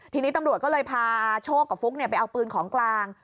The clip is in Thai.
ทีนี้ตำรวจก็เลยพาโชคกับฟุ๊กไปเอาปืนของกลาง